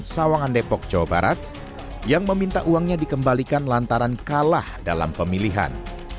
sawangan depok jawa barat yang meminta uangnya dikembalikan lantaran kalah dalam pemilihan